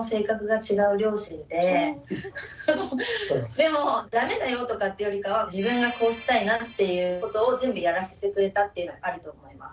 でもダメだよとかっていうよりかは自分がこうしたいなっていうことを全部やらせてくれたっていうのはあると思います。